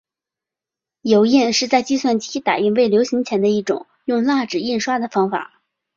油印是在计算机打印未流行前的一种用蜡纸印刷的方法。